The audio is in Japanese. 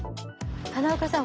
花岡さん